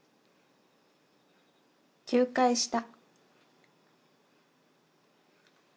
休会した。